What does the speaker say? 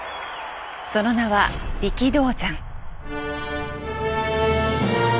その名は力道山。